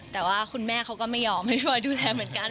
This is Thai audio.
แต่ว่าคุณแม่เขาก็ไม่ยอมให้คอยดูแลเหมือนกัน